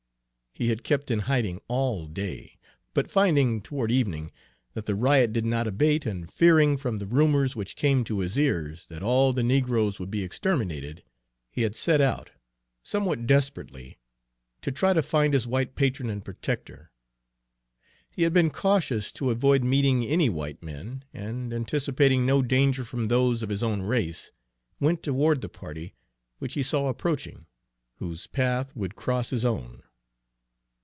He had kept in hiding all day, but finding, toward evening, that the riot did not abate, and fearing, from the rumors which came to his ears, that all the negroes would be exterminated, he had set out, somewhat desperately, to try to find his white patron and protector. He had been cautious to avoid meeting any white men, and, anticipating no danger from those of his own race, went toward the party which he saw approaching, whose path would cross his own.